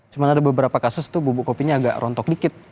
cuma ada beberapa kasus tuh bubuk kopinya agak rontok dikit